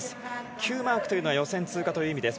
Ｑマークというのは予選通過の意味です。